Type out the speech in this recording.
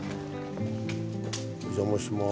お邪魔します。